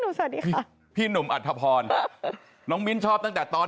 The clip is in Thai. สวัสดีค่ะพี่หนุ่มอัธพรน้องมิ้นชอบตั้งแต่ตอน